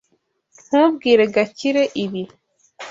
Ntubwire Gakire ibi.